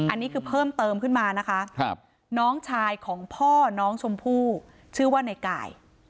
อันนี้คือเพิ่มเติมขึ้นมานะคะน้องชายของพ่อน้องชมพู่ชื่อว่าในกาย